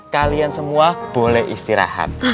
kalian semua boleh istirahat